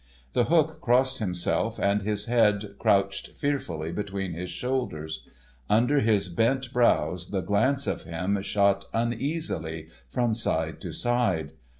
The Hook crossed himself, and his head crouched fearfully between his shoulders. Under his bent brows the glance of him shot uneasily from side to side.